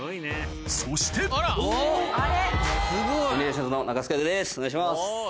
そしてお願いします。